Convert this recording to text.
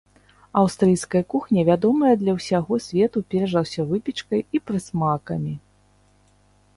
Аўстрыйская кухня вядомая для ўсяго свету перш за ўсё выпечкай і прысмакамі.